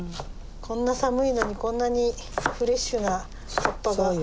こんな寒いのにこんなにフレッシュな葉っぱが。